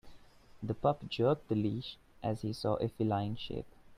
The pup jerked the leash as he saw a feline shape.